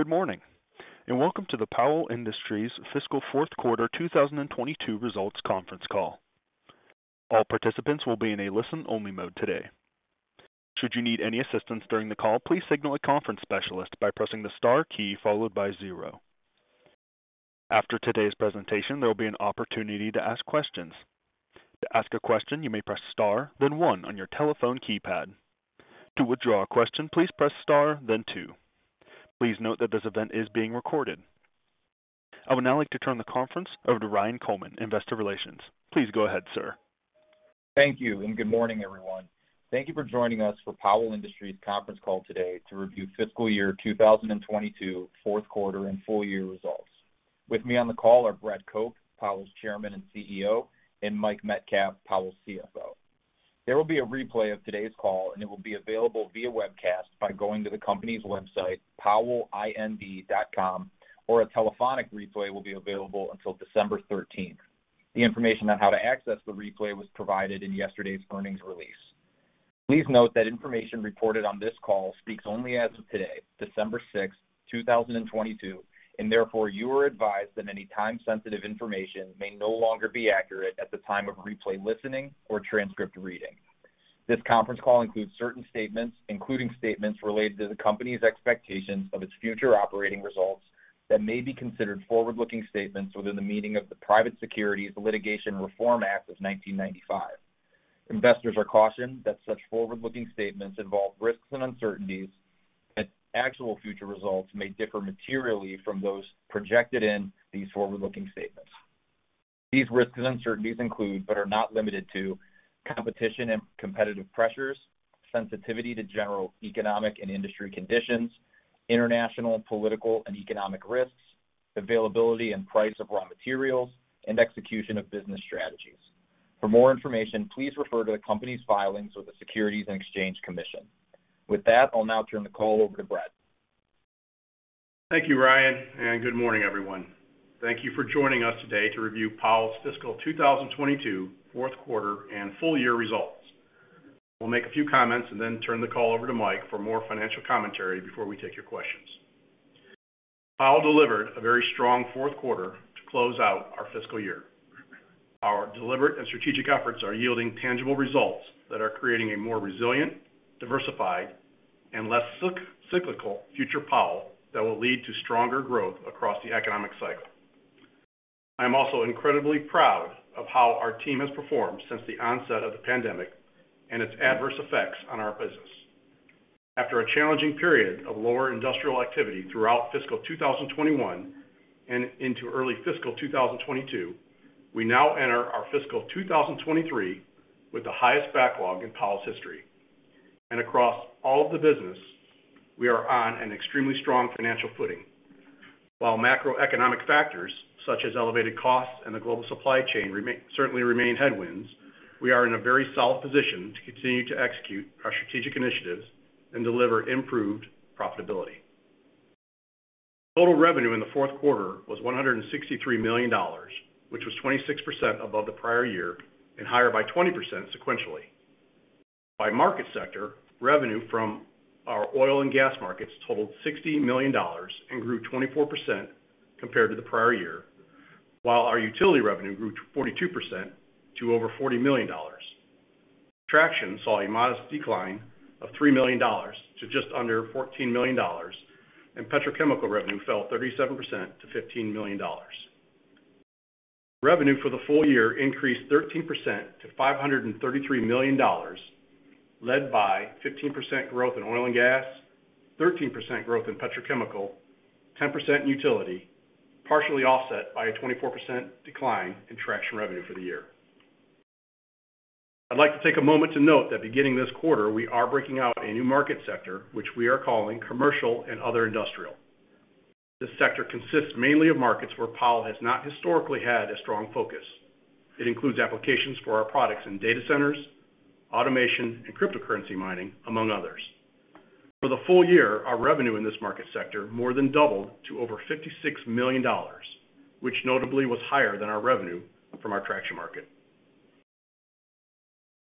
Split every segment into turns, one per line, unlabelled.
Good morning, and welcome to the Powell Industries Fiscal Q4 2022 Results Conference Call. All participants will be in a listen-only mode today. Should you need any assistance during the call, please signal a conference specialist by pressing the star key followed by zero. After today's presentation, there will be an opportunity to ask questions. To ask a question, you may press star, then one on your telephone keypad. To withdraw a question, please press star, then two. Please note that this event is being recorded. I would now like to turn the conference over to Ryan Coleman, Investor Relations. Please go ahead, sir.
Thank you. Good morning, everyone. Thank you for joining us for Powell Industries conference call today to review FY 2022, Q4, and full year results. With me on the call are Brett Cope, Powell's Chairman and CEO, and Mike Metcalf, Powell's CFO. There will be a replay of today's call, and it will be available via webcast by going to the company's website, powellind.com, or a telephonic replay will be available until December 13. The information on how to access the replay was provided in yesterday's earnings release. Please note that information reported on this call speaks only as of today, December 6, 2022, and therefore, you are advised that any time-sensitive information may no longer be accurate at the time of replay listening or transcript reading. This conference call includes certain statements, including statements related to the company's expectations of its future operating results that may be considered forward-looking statements within the meaning of the Private Securities Litigation Reform Act of 1995. Investors are cautioned that such forward-looking statements involve risks and uncertainties that actual future results may differ materially from those projected in these forward-looking statements. These risks and uncertainties include, but are not limited to, competition and competitive pressures, sensitivity to general economic and industry conditions, international, political, and economic risks, availability and price of raw materials, and execution of business strategies. For more information, please refer to the company's filings with the Securities and Exchange Commission. With that, I'll now turn the call over to Brett.
Thank you, Ryan. Good morning, everyone. Thank you for joining us today to review Powell's FY 2022, 4th quarter, and full year results. We'll make a few comments and then turn the call over to Michael for more financial commentary before we take your questions. Powell delivered a very strong Q4 to close out our fiscal year. Our deliberate and strategic efforts are yielding tangible results that are creating a more resilient, diversified, and less cyclical future Powell that will lead to stronger growth across the economic cycle. I'm also incredibly proud of how our team has performed since the onset of the pandemic and its adverse effects on our business. After a challenging period of lower industrial activity throughout FY 2021 and into early FY 2022, we now enter our FY 2023 with the highest backlog in Powell's history. Across all of the business, we are on an extremely strong financial footing. While macroeconomic factors such as elevated costs and the global supply chain certainly remain headwinds, we are in a very solid position to continue to execute our strategic initiatives and deliver improved profitability. Total revenue in the Q4 was $163 million, which was 26% above the prior year and higher by 20% sequentially. By market sector, revenue from our oil and gas markets totaled $60 million and grew 24% compared to the prior year, while our utility revenue grew 42% to over $40 million. Traction saw a modest decline of $3 million to just under $14 million, and petrochemical revenue fell 37% to $15 million. Revenue for the full year increased 13% to $533 million, led by 15% growth in oil and gas, 13% growth in petrochemical, 10% in utility, partially offset by a 24% decline in traction revenue for the year. I'd like to take a moment to note that beginning this quarter, we are breaking out a new market sector, which we are calling commercial and other industrial. This sector consists mainly of markets where Powell has not historically had a strong focus. It includes applications for our products in data centers, automation, and cryptocurrency mining, among others. For the full year, our revenue in this market sector more than doubled to over $56 million, which notably was higher than our revenue from our traction market.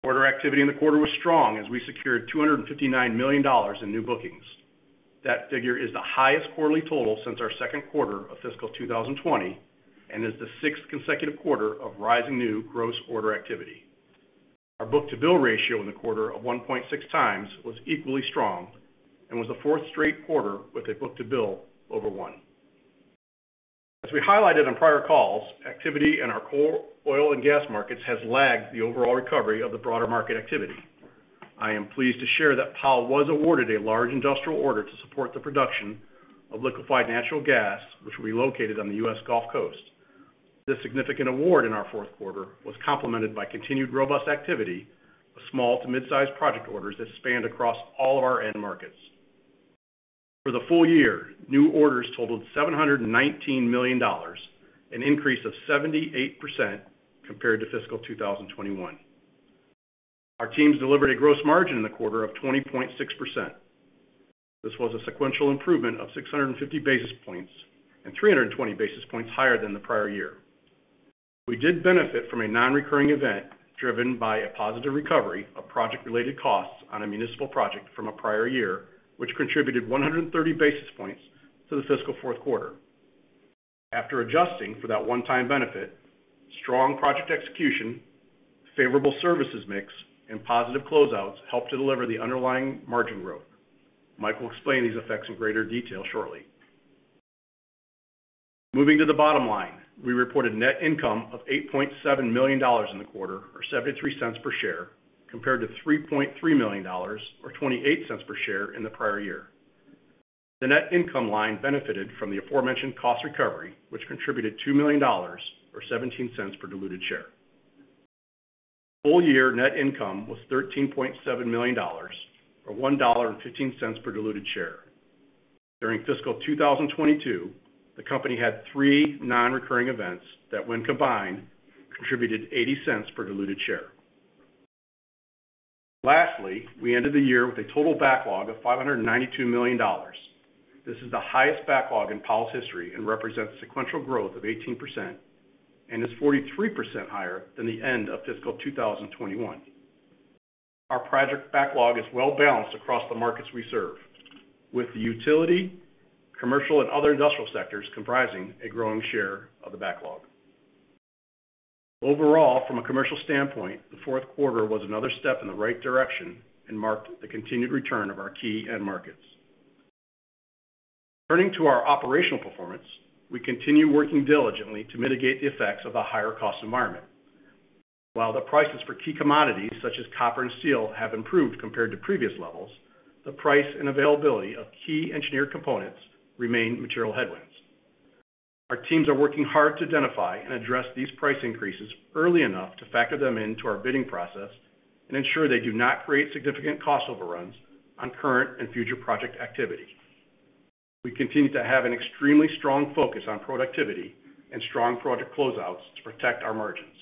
Order activity in the quarter was strong as we secured $259 million in new bookings. That figure is the highest quarterly total since our second quarter of fiscal 2020, and is the sixth consecutive quarter of rising new gross order activity. Our book-to-bill ratio in the quarter of 1.6x was equally strong and was the fourth straight quarter with a book-to-bill over one. As we highlighted on prior calls, activity in our oil and gas markets has lagged the overall recovery of the broader market activity. I am pleased to share that Powell was awarded a large industrial order to support the production of liquefied natural gas, which will be located on the U.S. Gulf Coast. This significant award in our Q4 was complemented by continued robust activity with small to mid-size project orders that spanned across all of our end markets. For the full year, new orders totaled $719 million, an increase of 78% compared to FY 2021. Our teams delivered a gross margin in the quarter of 20.6%. This was a sequential improvement of 650 basis points and 320 basis points higher than the prior year. We did benefit from a non-recurring event driven by a positive recovery of project-related costs on a municipal project from a prior year, which contributed 130 basis points to the fiscal Q4. After adjusting for that one-time benefit, strong project execution, favorable services mix, and positive closeouts helped to deliver the underlying margin growth. Mike will explain these effects in greater detail shortly. Moving to the bottom line, we reported net income of $8.7 million in the quarter, or $0.73 per share, compared to $3.3 million, or $0.28 per share in the prior year. The net income line benefited from the aforementioned cost recovery, which contributed $2 million, or $0.17 per diluted share. Full year net income was $13.7 million or $1.15 per diluted share. During FY 2022, the company had three non-recurring events that, when combined, contributed $0.80 per diluted share. Lastly, we ended the year with a total backlog of $592 million. This is the highest backlog in Powell's history and represents sequential growth of 18%, and is 43% higher than the end of FY 2021. Our project backlog is well-balanced across the markets we serve, with the utility, commercial and other industrial sectors comprising a growing share of the backlog. Overall, from a commercial standpoint, the Q4 was another step in the right direction and marked the continued return of our key end markets. Turning to our operational performance, we continue working diligently to mitigate the effects of the higher cost environment. While the prices for key commodities such as copper and steel have improved compared to previous levels, the price and availability of key engineered components remain material headwinds. Our teams are working hard to identify and address these price increases early enough to factor them into our bidding process and ensure they do not create significant cost overruns on current and future project activity. We continue to have an extremely strong focus on productivity and strong project closeouts to protect our margins.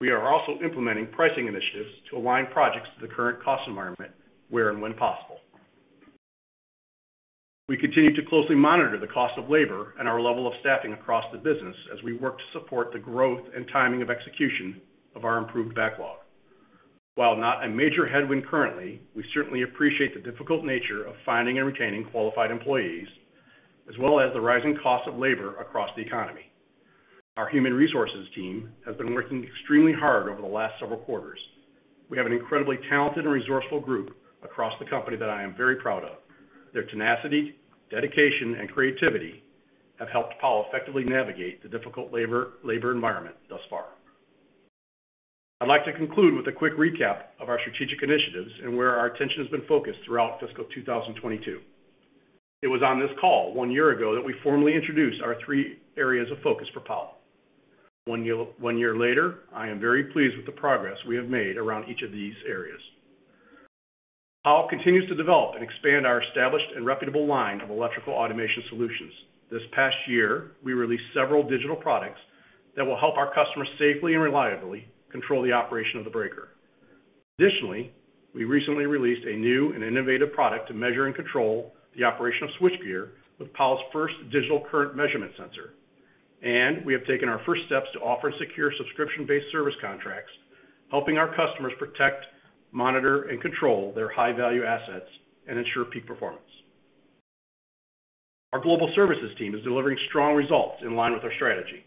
We are also implementing pricing initiatives to align projects to the current cost environment where and when possible. We continue to closely monitor the cost of labor and our level of staffing across the business as we work to support the growth and timing of execution of our improved backlog. While not a major headwind currently, we certainly appreciate the difficult nature of finding and retaining qualified employees, as well as the rising cost of labor across the economy. Our human resources team has been working extremely hard over the last several quarters. We have an incredibly talented and resourceful group across the company that I am very proud of. Their tenacity, dedication, and creativity have helped Powell effectively navigate the difficult labor environment thus far. I'd like to conclude with a quick recap of our strategic initiatives and where our attention has been focused throughout FY 2022. It was on this call one year ago that we formally introduced our three areas of focus for Powell. One year later, I am very pleased with the progress we have made around each of these areas. Powell continues to develop and expand our established and reputable line of electrical automation solutions. This past year, we released several digital products that will help our customers safely and reliably control the operation of the breaker. Additionally, we recently released a new and innovative product to measure and control the operation of switchgear with Powell's first digital current measurement sensor. We have taken our first steps to offer secure subscription-based service contracts, helping our customers protect, monitor, and control their high-value assets and ensure peak performance. Our global services team is delivering strong results in line with our strategy.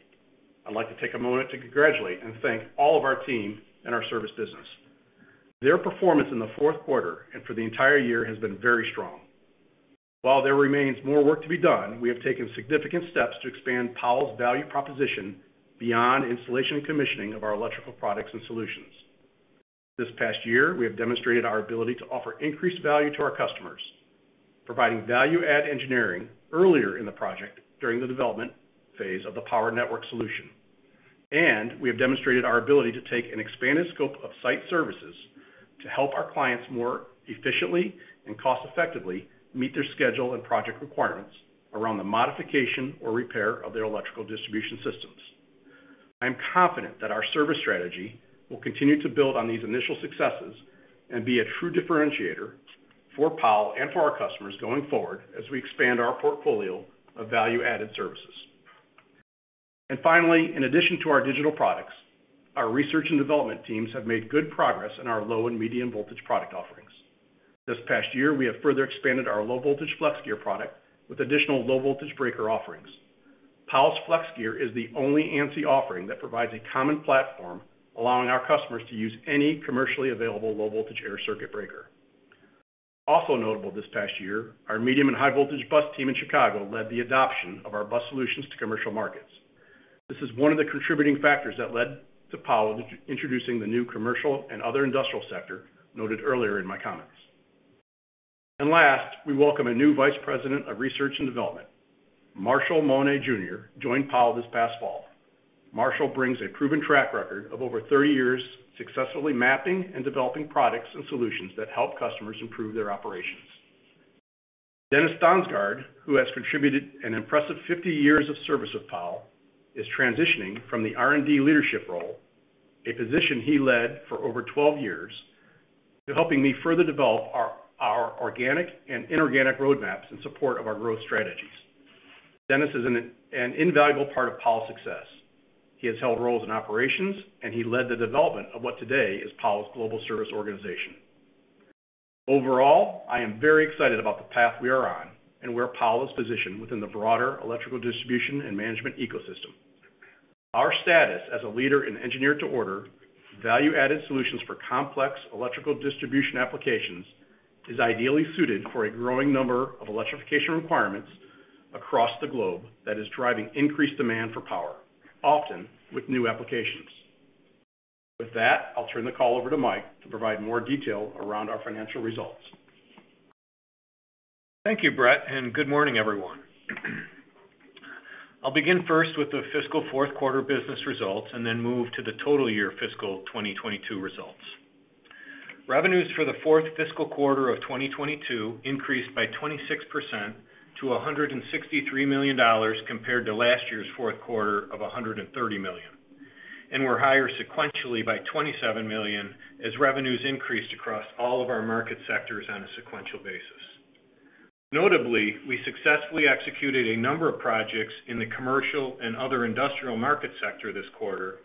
I'd like to take a moment to congratulate and thank all of our team in our service business. Their performance in the Q4 and for the entire year has been very strong. While there remains more work to be done, we have taken significant steps to expand Powell's value proposition beyond installation and commissioning of our electrical products and solutions. This past year, we have demonstrated our ability to offer increased value to our customers, providing value-add engineering earlier in the project during the development phase of the power network solution. We have demonstrated our ability to take an expanded scope of site services to help our clients more efficiently and cost-effectively meet their schedule and project requirements around the modification or repair of their electrical distribution systems. I am confident that our service strategy will continue to build on these initial successes and be a true differentiator for Powell and for our customers going forward as we expand our portfolio of value-added services. Finally, in addition to our digital products, our research and development teams have made good progress in our low and medium voltage product offerings. This past year, we have further expanded our low voltage FlexGear product with additional low voltage breaker offerings. Powell's FlexGear is the only ANSI offering that provides a common platform, allowing our customers to use any commercially available low voltage air circuit breaker. Notable this past year, our medium and high voltage bus team in Chicago led the adoption of our bus solutions to commercial markets. This is one of the contributing factors that led to Powell introducing the new commercial and other industrial sector noted earlier in my comments. Last, we welcome a new Vice President of Research and Development. Marshall T. Moore joined Powell this past fall. Marshall brings a proven track record of over 30 years successfully mapping and developing products and solutions that help customers improve their operations. Dennis Stensgaard, who has contributed an impressive 50 years of service with Powell, is transitioning from the R&D leadership role, a position he led for over 12 years to helping me further develop our organic and inorganic roadmaps in support of our growth strategies. Dennis is an invaluable part of Powell's success. He has held roles in operations, and he led the development of what today is Powell's global service organization. Overall, I am very excited about the path we are on and where Powell is positioned within the broader electrical distribution and management ecosystem. Our status as a leader in engineer-to-order, value-added solutions for complex electrical distribution applications is ideally suited for a growing number of electrification requirements across the globe that is driving increased demand for power, often with new applications. I'll turn the call over to Michael to provide more detail around our financial results.
Thank you, Brett. Good morning, everyone. I'll begin first with the fiscal Q4 business results, and then move to the total FY 2022 results. Revenues for the fourth fiscal quarter of 2022 increased by 26% to $163 million compared to last year's Q4 of $130 million. Were higher sequentially by $27 million as revenues increased across all of our market sectors on a sequential basis. Notably, we successfully executed a number of projects in the commercial and other industrial market sector this quarter,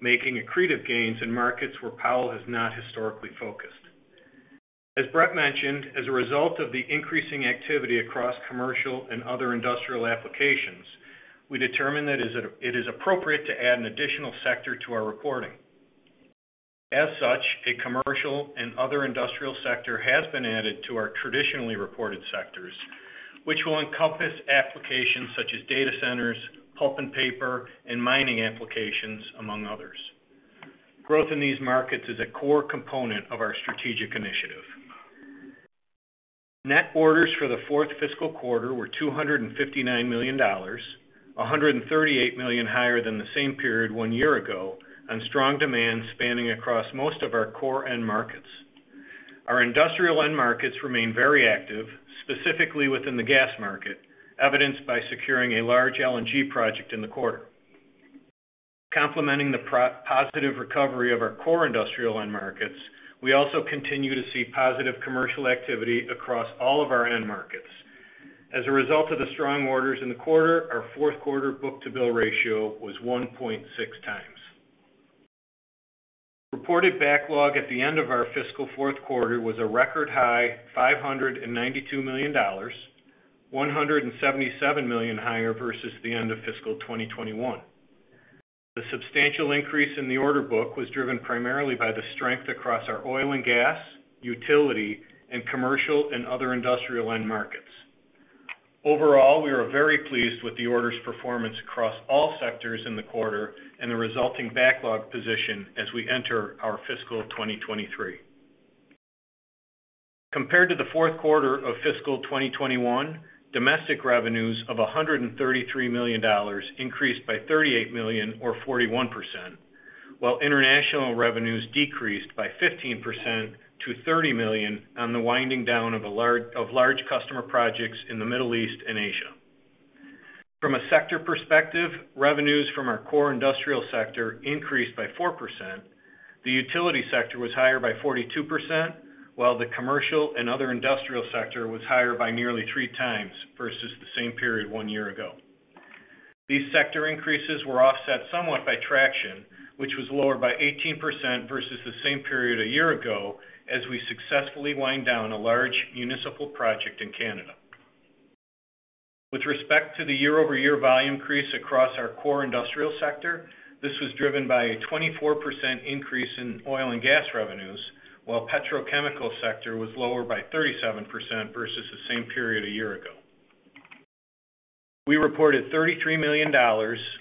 making accretive gains in markets where Powell has not historically focused. As Brett mentioned, as a result of the increasing activity across commercial and other industrial applications, we determined that it is appropriate to add an additional sector to our reporting. A commercial and other industrial sector has been added to our traditionally reported sectors, which will encompass applications such as data centers, pulp and paper, and mining applications, among others. Growth in these markets is a core component of our strategic initiative. Net orders for the fourth fiscal quarter were $259 million, $138 million higher than the same period one year ago on strong demand spanning across most of our core end markets. Our industrial end markets remain very active, specifically within the gas market, evidenced by securing a large LNG project in the quarter. Complementing positive recovery of our core industrial end markets, we also continue to see positive commercial activity across all of our end markets. As a result of the strong orders in the quarter, our Q4 book-to-bill ratio was 1.6x. Reported backlog at the end of our fiscal Q4 was a record high $592 million, $177 million higher versus the end of fFY 2021. The substantial increase in the order book was driven primarily by the strength across our oil and gas, utility, and commercial and other industrial end markets. Overall, we are very pleased with the orders performance across all sectors in the quarter and the resulting backlog position as we enter our FY 2023. Compared to the Q4 of FY 2021, domestic revenues of $133 million increased by $38 million or 41%, while international revenues decreased by 15% to $30 million on the winding down of large customer projects in the Middle East and Asia. From a sector perspective, revenues from our core industrial sector increased by 4%. The utility sector was higher by 42%, while the commercial and other industrial sector was higher by nearly 3x versus the same period 1 year ago. These sector increases were offset somewhat by traction, which was lower by 18% versus the same period one year ago as we successfully wind down a large municipal project in Canada. With respect to the year-over-year volume increase across our core industrial sector, this was driven by a 24% increase in oil and gas revenues, while petrochemical sector was lower by 37% versus the same period one year ago. We reported $33 million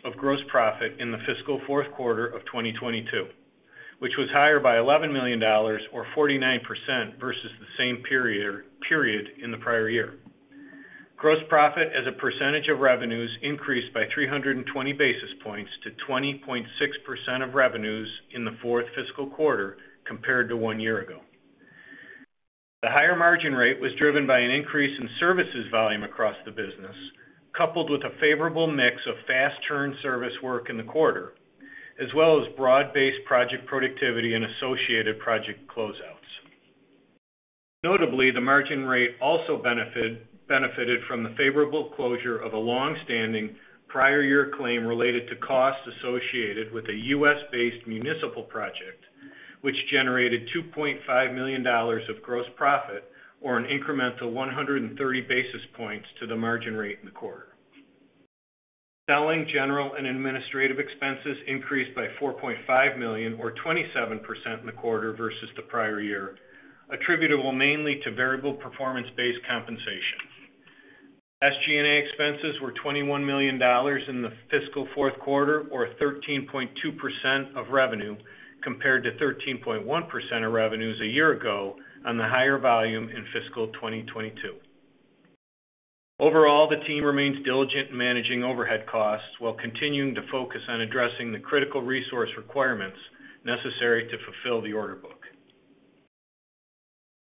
of gross profit in the fiscal Q4 of 2022, which was higher by $11 million or 49% versus the same period period in the prior year. Gross profit as a percentage of revenues increased by 320 basis points to 20.6% of revenues in the fourth fiscal quarter compared to one year ago. The higher margin rate was driven by an increase in services volume across the business, coupled with a favorable mix of fast turn service work in the quarter, as well as broad-based project productivity and associated project closeouts. Notably, the margin rate also benefited from the favorable closure of a long-standing prior year claim related to costs associated with a U.S.-based municipal project, which generated $2.5 million of gross profit or an incremental 130 basis points to the margin rate in the quarter. Selling, general, and administrative expenses increased by $4.5 million or 27% in the quarter versus the prior year, attributable mainly to variable performance-based compensation. SG&A expenses were $21 million in the fiscal Q4 or 13.2% of revenue compared to 13.1% of revenues a year ago on the higher volume in FY 2022. Overall, the team remains diligent in managing overhead costs while continuing to focus on addressing the critical resource requirements necessary to fulfill the order book.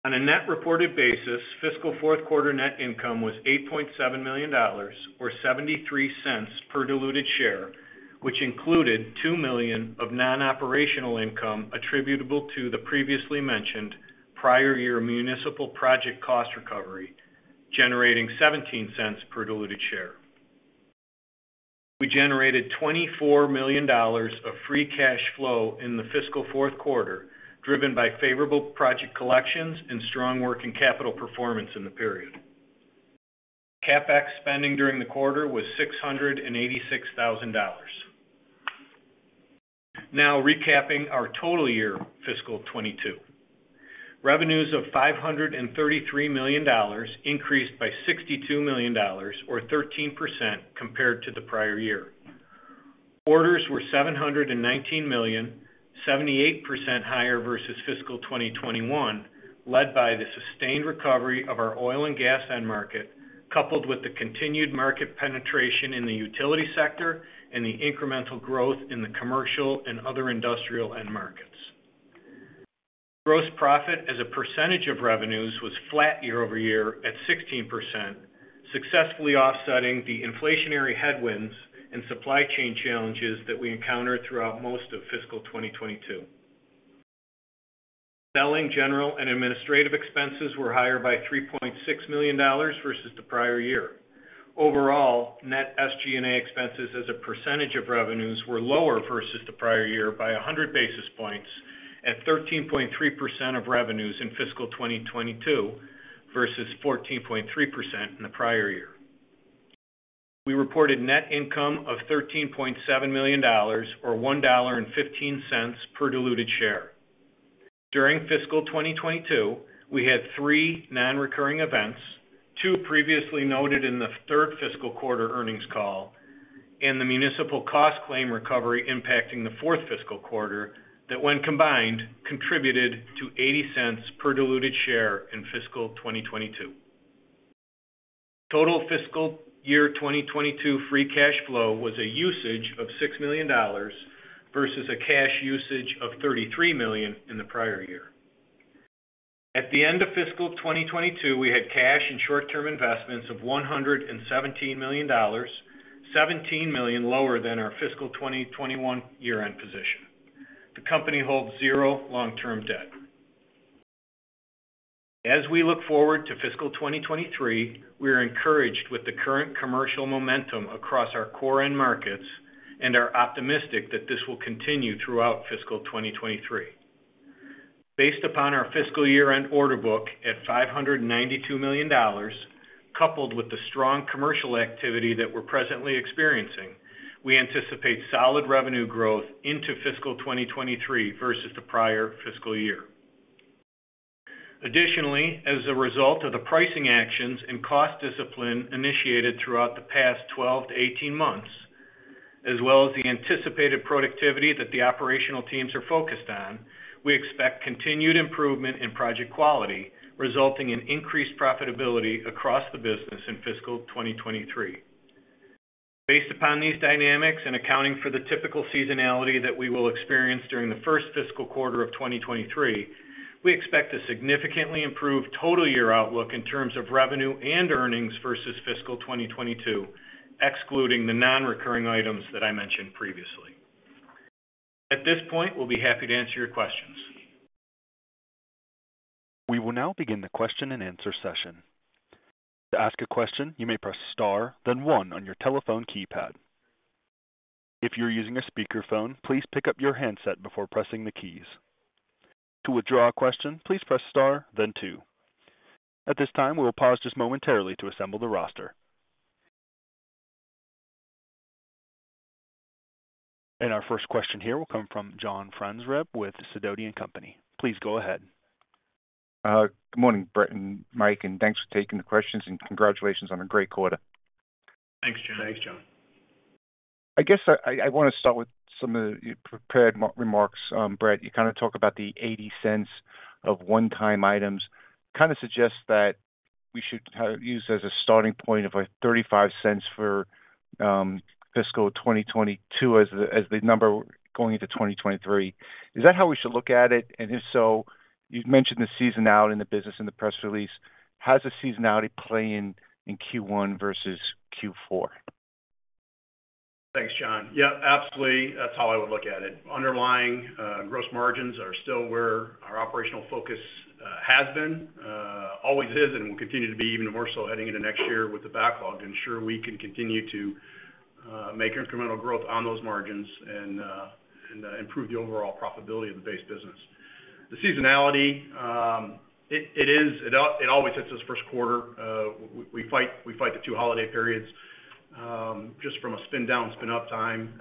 On a net reported basis, fiscal Q4 net income was $8.7 million, or $0.73 per diluted share, which included $2 million of non-operational income attributable to the previously mentioned prior year municipal project cost recovery, generating $0.17 per diluted share. We generated $24 million of free cash flow in the fiscal Q4, driven by favorable project collections and strong working capital performance in the period. CapEx spending during the quarter was $686,000. Recapping our total year, FY 2022. Revenues of $533 million increased by $62 million or 13% compared to the prior year. Orders were $719 million, 78% higher versus FY 2021, led by the sustained recovery of our oil and gas end market, coupled with the continued market penetration in the utility sector and the incremental growth in the commercial and other industrial end markets. Gross profit as a percentage of revenues was flat year-over-year at 16%, successfully offsetting the inflationary headwinds and supply chain challenges that we encountered throughout most of FY 2022. Selling, General and Administrative expenses were higher by $3.6 million versus the prior year. Overall, net SG&A expenses as a percentage of revenues were lower versus the prior year by 100 basis points at 13.3% of revenues in FY 2022 versus 14.3% in the prior year. We reported net income of $13.7 million or $1.15 per diluted share. During FY 2022, we had three non-recurring events, two previously noted in the third fiscal quarter earnings call, and the municipal cost claim recovery impacting the fourth fiscal quarter that, when combined, contributed to $0.80 per diluted share in FY 2022. Total FY 2022 free cash flow was a usage of $6 million versus a cash usage of $33 million in the prior year. At the end of FY 2022, we had cash and short-term investments of $117 million, $17 million lower than our FY 2021 year-end position. The company holds zero long-term debt. As we look forward to FY 2023, we are encouraged with the current commercial momentum across our core end markets and are optimistic that this will continue throughout FY 2023. Based upon our fiscal year end order book at $592 million, coupled with the strong commercial activity that we're presently experiencing, we anticipate solid revenue growth into FY 2023 versus the prior fiscal year. Additionally, as a result of the pricing actions and cost discipline initiated throughout the past 12 months-18 months, as well as the anticipated productivity that the operational teams are focused on, we expect continued improvement in project quality, resulting in increased profitability across the business in FY 2023. Based upon these dynamics and accounting for the typical seasonality that we will experience during the first fiscal quarter of 2023, we expect to significantly improve total year outlook in terms of revenue and earnings versus FY 2022, excluding the non-recurring items that I mentioned previously. At this point, we'll be happy to answer your questions.
We will now begin the question and answer session. To ask a question, you may press Star, then One on your telephone keypad. If you're using a speakerphone, please pick up your handset before pressing the keys. To withdraw a question, please press Star then Two. At this time, we will pause just momentarily to assemble the roster. Our first question here will come from John Franzreb with Sidoti & Company. Please go ahead.
Good morning, Brett and Michael, and thanks for taking the questions and congratulations on a great quarter.
Thanks, John.
Thanks, John.
I guess I wanna start with some of your prepared remarks. Brett, you kind of talk about the $0.80 of one-time items. Kind of suggest that we should use as a starting point of a $0.35 for FY 2022 as the, as the number going into 2023. Is that how we should look at it? If so, you've mentioned the seasonality in the business in the press release. How does the seasonality play in Q1 versus Q4?
Thanks, John. Yeah, absolutely. That's how I would look at it. Underlying gross margins are still where our operational focus has been, always is and will continue to be even more so heading into next year with the backlog. Ensure we can continue to make incremental growth on those margins and improve the overall profitability of the base business. The seasonality, it is, it always hits us Q1. We fight the two holiday periods just from a spin down, spin up time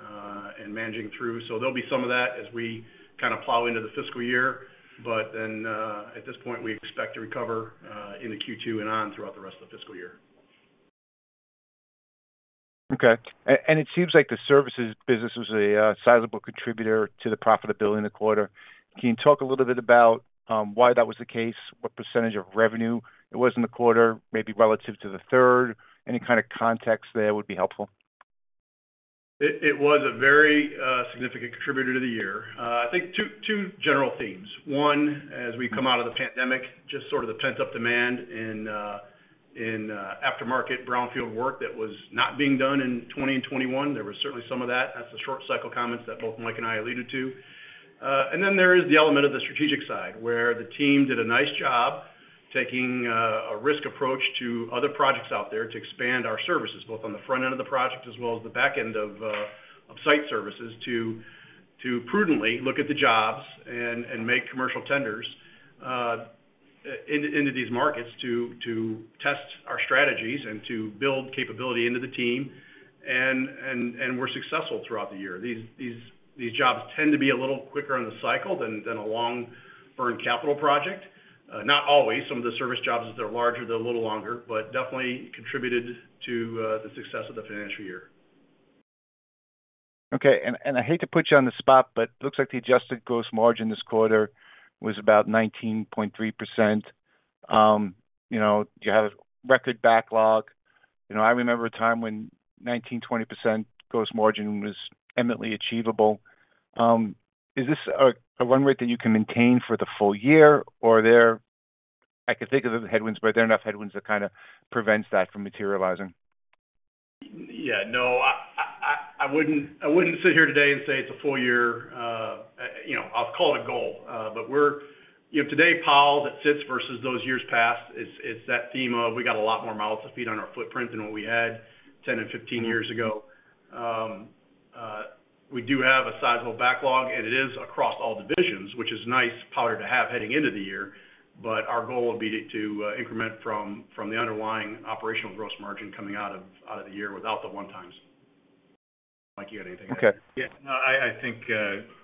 and managing through. There'll be some of that as we kind of plow into the fiscal year. At this point, we expect to recover into Q2 and on throughout the rest of the fiscal year.
Okay. It seems like the services business was a sizable contributor to the profitability in the quarter. Can you talk a little bit about why that was the case? What percentage of revenue it was in the quarter, maybe relative to the third? Any kind of context there would be helpful.
It was a very significant contributor to the year. I think two general themes. One, as we come out of the pandemic, just sort of the pent-up demand in aftermarket brownfield work that was not being done in 20 and 2021. There was certainly some of that. That's the short cycle comments that both Mike and I alluded to. There is the element of the strategic side, where the team did a nice job taking a risk approach to other projects out there to expand our services, both on the front end of the project as well as the back end of site services to prudently look at the jobs and make commercial tenders into these markets to test our strategies and to build capability into the team. Were successful throughout the year. These jobs tend to be a little quicker in the cycle than a long burn capital project. Not always. Some of the service jobs, if they're larger, they're a little longer, but definitely contributed to the success of the financial year.
Okay. I hate to put you on the spot, but looks like the adjusted gross margin this quarter was about 19.3%. You know, you have a record backlog. You know, I remember a time when 19%, 20% gross margin was imminently achievable. Is this a run rate that you can maintain for the full year? I can think of the headwinds, but are there enough headwinds that kind of prevents that from materializing?
Yeah, no. I wouldn't sit here today and say it's a full year. You know, I'll call it a goal. You know, today, Paul, that sits versus those years past, it's that theme of we got a lot more miles to feed on our footprint than what we had 10 years and 15 years ago. We do have a sizable backlog, and it is across all divisions, which is nice powder to have heading into the year. Our goal would be to increment from the underlying operational gross margin coming out of the year without the one times. Michael, you had anything to add?
Okay.
Yeah. No, I think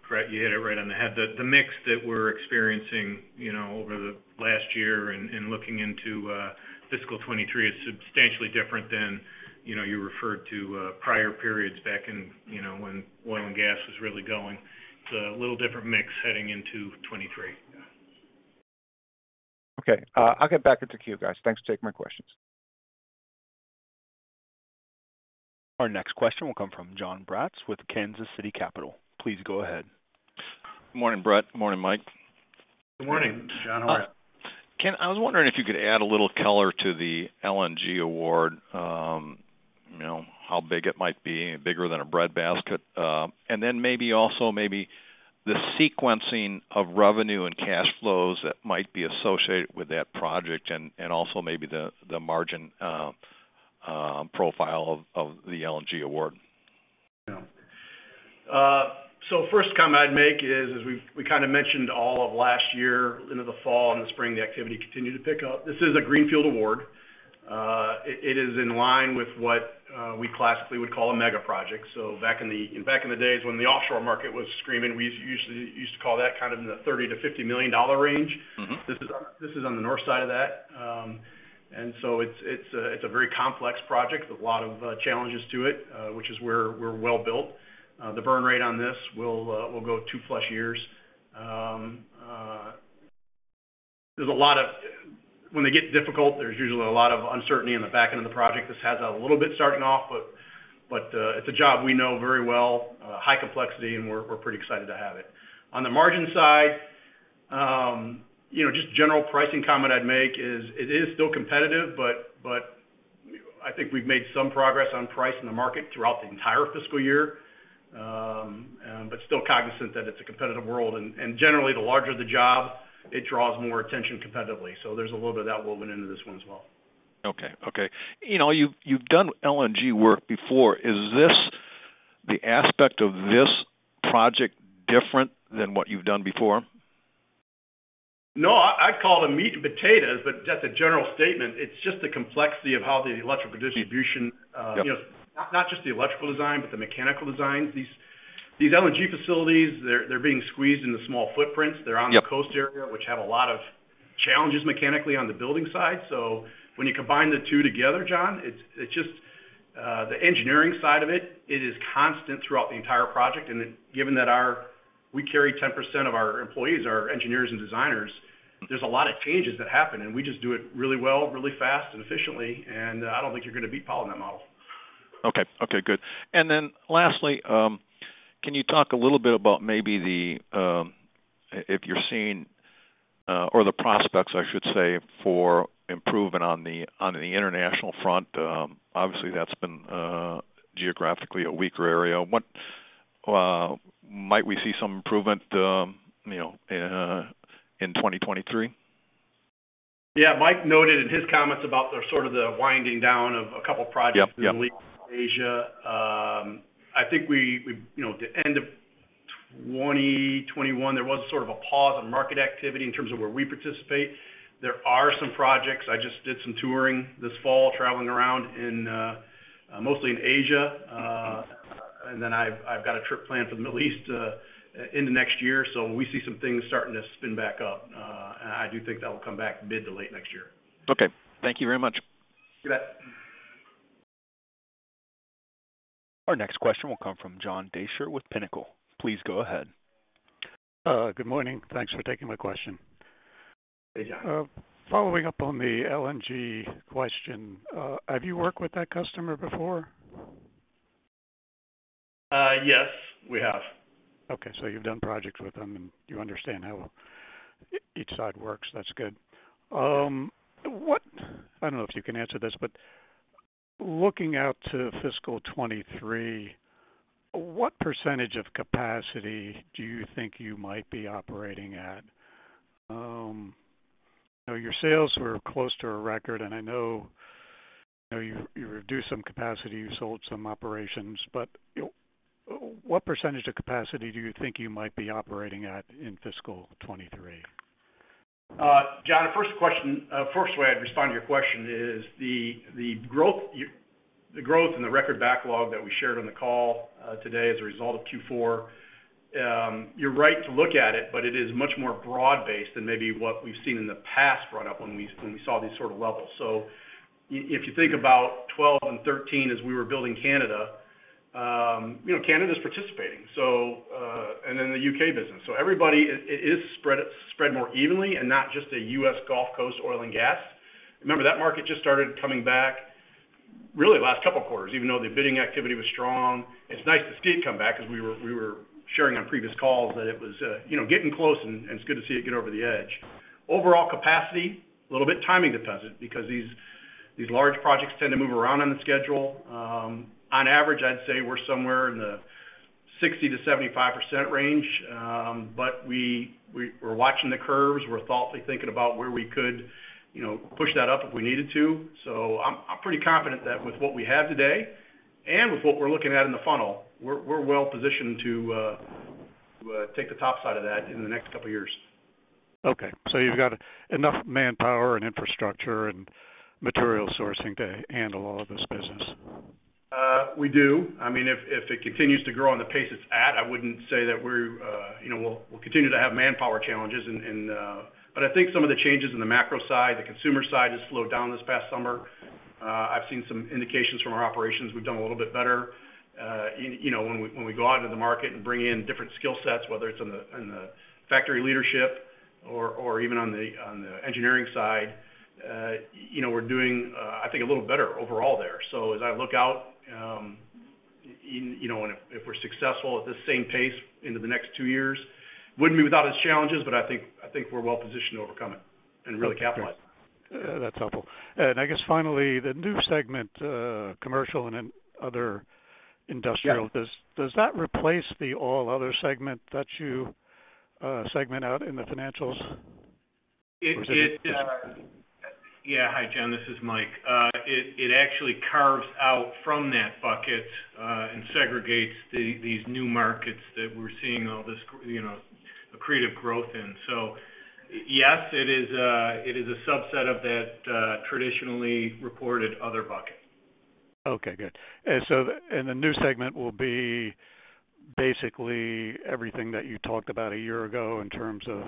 Brett, you hit it right on the head. The, the mix that we're experiencing, you know, over the last year and looking into FY 2023 is substantially different than, you know, you referred to prior periods back in, you know, when oil and gas was really going. It's a little different mix heading into 2023.
Okay. I'll get back into queue, guys. Thanks for taking my questions.
Our next question will come from Jonathan Braatz with Kansas City Capital. Please go ahead.
Morning, Brett. Morning, Mike.
Good morning, John. How are you?
I was wondering if you could add a little color to the LNG award, you know, how big it might be, bigger than a breadbasket? Then maybe also maybe the sequencing of revenue and cash flows that might be associated with that project and, also maybe the margin profile of the LNG award.
Yeah. First comment I'd make is we kinda mentioned all of last year into the fall and the spring, the activity continued to pick up. This is a greenfield award. It is in line with what we classically would call a mega project. Back in the days when the offshore market was screaming, we used to call that kind of in the $30 million-$50 million range.
Mm-hmm.
This is on the north side of that. It's a very complex project with a lot of challenges to it, which is where we're well-built. The burn rate on this will go 2+ years. There's a lot of... When they get difficult, there's usually a lot of uncertainty in the back end of the project. This has that a little bit starting off, but it's a job we know very well, high complexity, and we're pretty excited to have it. On the margin side, you know, just general pricing comment I'd make is it is still competitive, but I think we've made some progress on pricing the market throughout the entire fiscal year. Still cognizant that it's a competitive world. Generally, the larger the job, it draws more attention competitively. There's a little bit of that woven into this one as well.
Okay. Okay. You know, you've done LNG work before. Is this the aspect of this project different than what you've done before?
No, I'd call it a meat and potatoes, but that's a general statement. It's just the complexity of how the electrical distribution-
Yep
you know, not just the electrical design, but the mechanical designs. These LNG facilities, they're being squeezed into small footprints.
Yep.
They're on the coast area, which have a lot of challenges mechanically on the building side. When you combine the two together, Jonathan, it's just, the engineering side of it is constant throughout the entire project. Given that we carry 10% of our employees are engineers and designers, there's a lot of changes that happen, and we just do it really well, really fast and efficiently. I don't think you're gonna beat Powell in that model.
Okay. Okay, good. Lastly, can you talk a little bit about maybe the, if you're seeing, or the prospects, I should say, for improvement on the, on the international front? Obviously, that's been, geographically a weaker area. What, might we see some improvement, you know, in 2023?
Yeah. Mike noted in his comments about the sort of the winding down of a couple projects.
Yep. Yep....
in the Middle East and Asia. I think we, you know, the end of 2021, there was sort of a pause on market activity in terms of where we participate. There are some projects. I just did some touring this fall, traveling around in mostly in Asia. I've got a trip planned for the Middle East into next year. We see some things starting to spin back up. I do think that will come back mid to late next year.
Okay. Thank you very much.
You bet.
Our next question will come from John Deysher with Pinnacle. Please go ahead.
Good morning. Thanks for taking my question. Yeah. Following up on the LNG question. Have you worked with that customer before?
Yes, we have.
Okay. You've done projects with them, and you understand how each side works. That's good. I don't know if you can answer this, looking out to FY 2023, what percentage of capacity do you think you might be operating at? I know your sales were close to a record, I know you reduced some capacity, you sold some operations. What percentage of capacity do you think you might be operating at in fiscal 2023?
John, the first question, first way I'd respond to your question is the growth and the record backlog that we shared on the call today as a result of Q4, you're right to look at it, but it is much more broad-based than maybe what we've seen in the past brought up when we saw these sort of levels. If you think about 12 and 13 as we were building Canada, you know, Canada is participating, and then the UK business. Everybody, it is spread more evenly and not just the US Gulf Coast oil and gas. Remember that market just started coming back really the last couple of quarters, even though the bidding activity was strong. It's nice to see it come back because we were sharing on previous calls that it was, you know, getting close and it's good to see it get over the edge. Overall capacity, a little bit timing dependent because these large projects tend to move around on the schedule. On average, I'd say we're somewhere in the 60%-75% range. We're watching the curves. We're thoughtfully thinking about where we could, you know, push that up if we needed to. I'm pretty confident that with what we have today and with what we're looking at in the funnel, we're well positioned to take the top side of that in the next couple of years.
Okay. You've got enough manpower and infrastructure and material sourcing to handle all of this business.
We do. I mean, if it continues to grow on the pace it's at, I wouldn't say that we're, you know, we'll continue to have manpower challenges and, I think some of the changes in the macro side, the consumer side has slowed down this past summer. I've seen some indications from our operations. We've done a little bit better, you know, when we, when we go out into the market and bring in different skill sets, whether it's on the, in the factory leadership or even on the, on the engineering side, you know, we're doing, I think a little better overall there. As I look out, you know, and if we're successful at the same pace into the next two years, wouldn't be without its challenges, but I think we're well-positioned to overcome it and really capitalize on it.
That's helpful. I guess finally, the new segment, Commercial and Other Industrial-
Yeah.
Does that replace the all other segment that you segment out in the financials? Is it?
Yeah. Hi, John, this is Mike. It actually carves out from that bucket and segregates these new markets that we're seeing all this, you know, accretive growth in. Yes, it is a subset of that traditionally reported other bucket.
Okay, good. The new segment will be basically everything that you talked about a year ago in terms of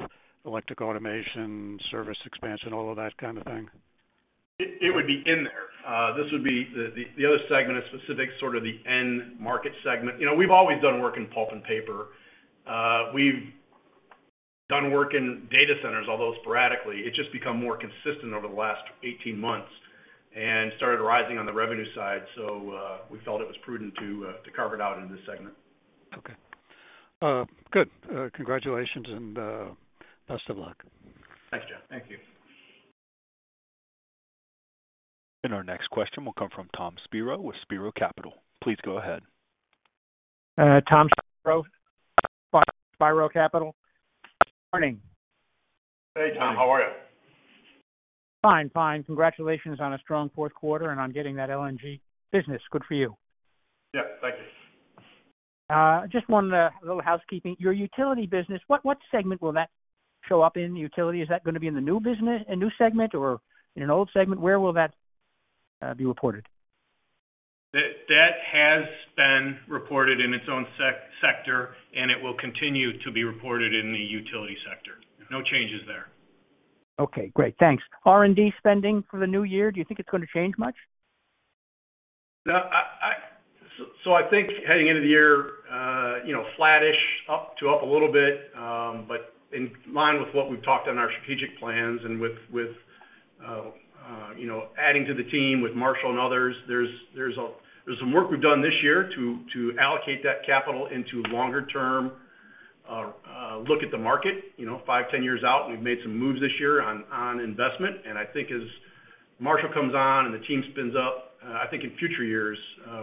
electric automation, service expansion, all of that kind of thing.
It would be in there. This would be the other segment of specific sort of the end market segment. You know, we've always done work in pulp and paper. We've done work in data centers, although sporadically, it's just become more consistent over the last 18 months and started rising on the revenue side. We felt it was prudent to carve it out into this segment.
Okay. Good. Congratulations and, best of luck.
Thanks, John.
Thank you. Our next question will come from Tom Spiro with Spiro Capital. Please go ahead.
Tom Spiro Capital. Morning.
Hey, Tom. How are you?
Fine, fine. Congratulations on a strong Q4 and on getting that LNG business. Good for you.
Yeah, thank you.
just one little housekeeping. Your utility business, what segment will that show up in, the utility? Is that gonna be in a new segment or in an old segment? Where will that be reported?
That has been reported in its own sector, and it will continue to be reported in the utility sector. No changes there.
Okay, great. Thanks. R&D spending for the new year, do you think it's going to change much?
No, I. I think heading into the year, you know, flattish, up a little bit, but in line with what we've talked on our strategic plans and with, you know, adding to the team with Marshall and others. There's some work we've done this year to allocate that capital into longer-term, look at the market, you know, 5, 10 years out. We've made some moves this year on investment. I think as Marshall comes on and the team spins up, I think in future years,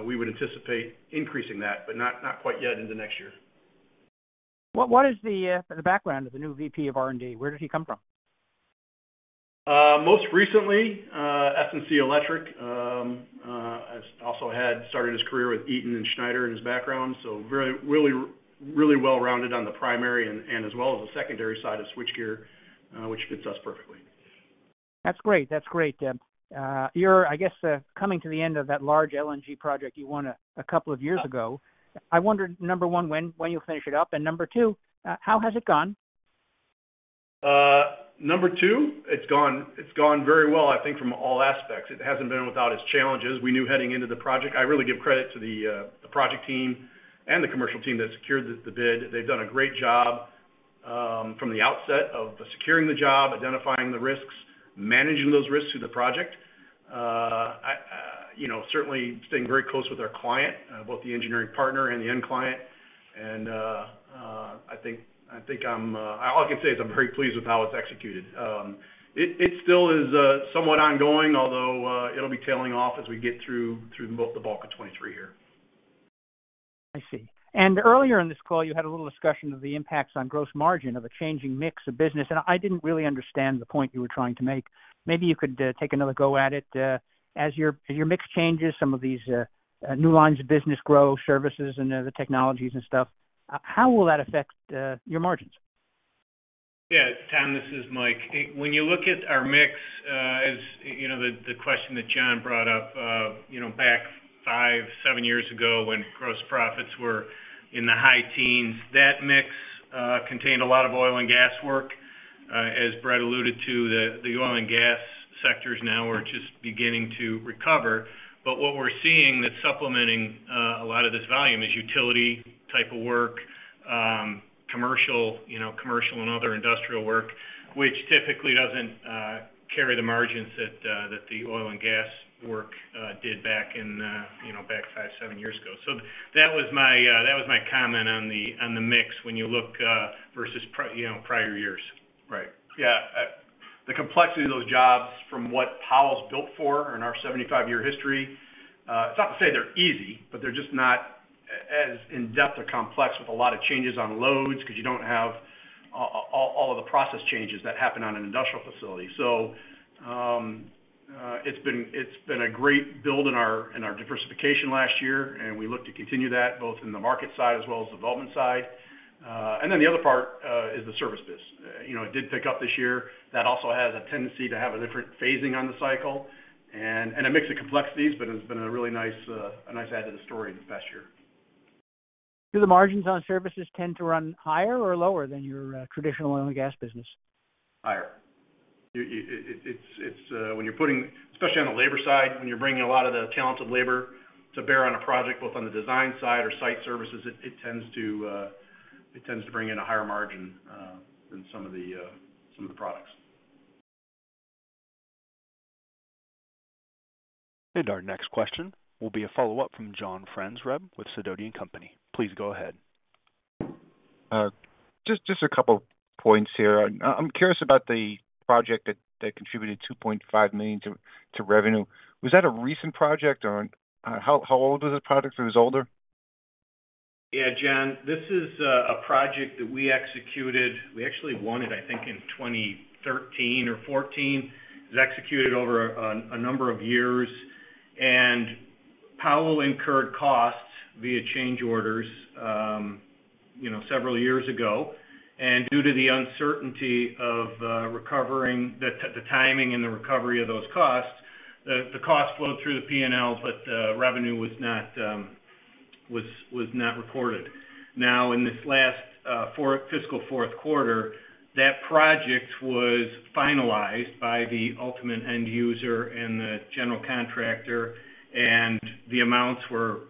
we would anticipate increasing that, but not quite yet into next year.
What is the background of the new VP of R&D? Where did he come from?
Most recently, S&C Electric has also started his career with Eaton and Schneider in his background. Very, really well-rounded on the primary and as well as the secondary side of switchgear, which fits us perfectly.
That's great. That's great. you're, I guess, coming to the end of that large LNG project you won a couple of years ago. I wondered, number one, when you'll finish it up, and number two, how has it gone?
Number two, it's gone very well, I think, from all aspects. It hasn't been without its challenges. We knew heading into the project. I really give credit to the project team and the commercial team that secured the bid. They've done a great job from the outset of securing the job, identifying the risks, managing those risks through the project. You know, certainly staying very close with our client, both the engineering partner and the end client. I think I'm. All I can say is I'm very pleased with how it's executed. It still is somewhat ongoing, although it'll be tailing off as we get through the bulk of 2023 here.
I see. Earlier in this call, you had a little discussion of the impacts on gross margin of a changing mix of business, I didn't really understand the point you were trying to make. Maybe you could take another go at it. As your mix changes, some of these new lines of business grow, services and the technologies and stuff, how will that affect your margins?
Yeah. Tom, this is Michael. When you look at our mix, as, you know, the question that John brought up, you know, back 5 years, 7 years ago when gross profits were in the high teens, that mix contained a lot of oil and gas work. As Brett alluded to, the oil and gas sectors now are just beginning to recover. What we're seeing that's supplementing a lot of this volume is utility type of work, commercial and other industrial work, which typically doesn't carry the margins that the oil and gas work did back in, you know, back 5 years, 7 years ago. That was my comment on the mix when you look versus prior years. Right. Yeah.
The complexity of those jobs from what Powell is built for in our 75-year history, it's not to say they're easy, but they're just not as in-depth or complex with a lot of changes on loads 'cause you don't have all of the process changes that happen on an industrial facility. It's been a great build in our, in our diversification last year, and we look to continue that both in the market side as well as development side. And then the other part is the service biz. You know, it did pick up this year. That also has a tendency to have a different phasing on the cycle and a mix of complexities, but it's been a really nice, a nice add to the story this past year.
Do the margins on services tend to run higher or lower than your traditional oil and gas business?
Higher. It's. When you're putting Especially on the labor side, when you're bringing a lot of the talented labor to bear on a project, both on the design side or site services, it tends to bring in a higher margin than some of the products.
Our next question will be a follow-up from John Franzreb with Sidoti & Company. Please go ahead.
just a couple points here. I'm curious about the project that contributed $2.5 million to revenue. Was that a recent project, or how old was the project? It was older?
Yeah, John, this is a project that we executed. We actually won it, I think, in 2013 or 2014. It was executed over a number of years. Powell incurred costs via change orders, you know, several years ago. Due to the uncertainty of recovering the timing and the recovery of those costs, the cost flowed through the P&L, but the revenue was not recorded. In this last fiscal Q4, that project was finalized by the ultimate end user and the general contractor, and the amounts were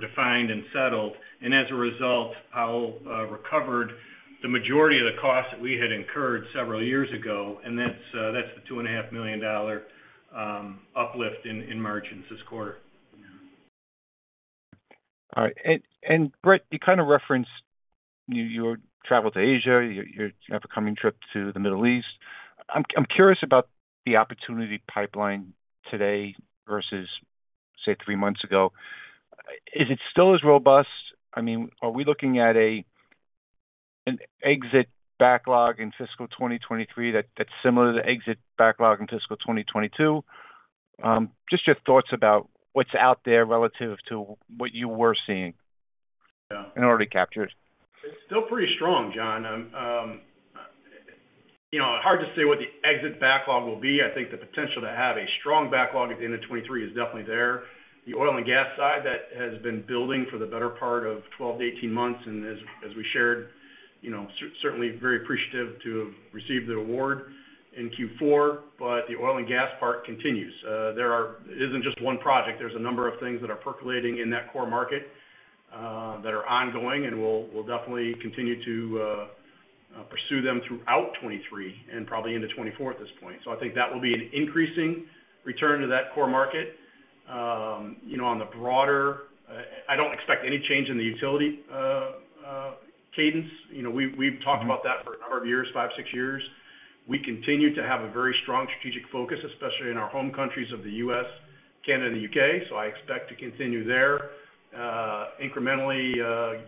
defined and settled. As a result, Powell recovered the majority of the cost that we had incurred several years ago, and that's the two and a half million dollar uplift in margins this quarter.
All right. Brett, you kinda referenced your travel to Asia, your upcoming trip to the Middle East. I'm curious about the opportunity pipeline today versus, say, three months ago. Is it still as robust? I mean, are we looking at an exit backlog inFY 2023 that's similar to exit backlog in FY 2022? Just your thoughts about what's out there relative to what you were seeing?
Yeah.
already captured.
It's still pretty strong, John. you know, hard to say what the exit backlog will be. I think the potential to have a strong backlog at the end of 2023 is definitely there. The oil and gas side, that has been building for the better part of 12 months-18 months. As we shared, you know, certainly very appreciative to have received the award in Q4. The oil and gas part continues. There are... It isn't just one project. There's a number of things that are percolating in that core market, that are ongoing, and we'll definitely continue to pursue them throughout 2023 and probably into 2024 at this point. I think that will be an increasing return to that core market. You know, on the broader, I don't expect any change in the utility cadence. You know, we've talked about that for a number of years, 5 years, 6 years. We continue to have a very strong strategic focus, especially in our home countries of the U.S., Canada, U.K. I expect to continue there, incrementally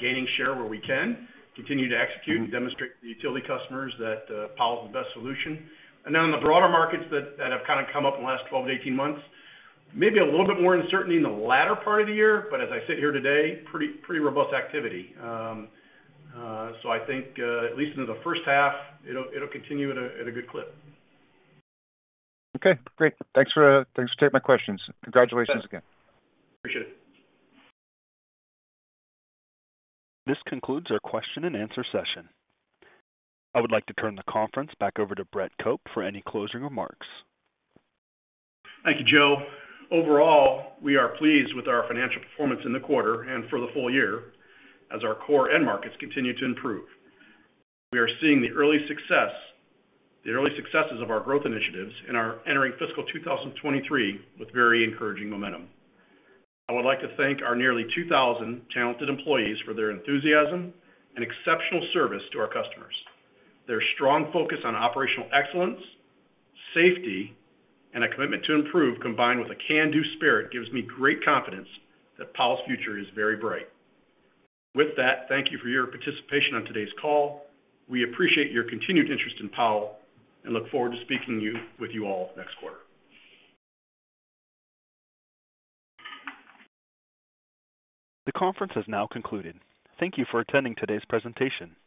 gaining share where we can, continue to execute, demonstrate to the utility customers that Powell is the best solution. On the broader markets that have kinda come up in the last 12 months-18 months, maybe a little bit more uncertainty in the latter part of the year, but as I sit here today, pretty robust activity. I think, at least into the H1, it'll continue at a good clip.
Okay, great. Thanks for taking my questions. Congratulations again.
Appreciate it.
This concludes our question and answer session. I would like to turn the conference back over to Brett Cope for any closing remarks.
Thank you, Joe. Overall, we are pleased with our financial performance in the quarter and for the full year as our core end markets continue to improve. We are seeing the early successes of our growth initiatives and are entering FY 2023 with very encouraging momentum. I would like to thank our nearly 2,000 talented employees for their enthusiasm and exceptional service to our customers. Their strong focus on operational excellence, safety, and a commitment to improve, combined with a can-do spirit, gives me great confidence that Powell's future is very bright. With that, thank you for your participation on today's call. We appreciate your continued interest in Powell and look forward to speaking with you all next quarter.
The conference has now concluded. Thank you for attending today's presentation. You may.